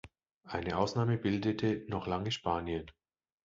Eine Ausnahme bildete noch lange Spanien.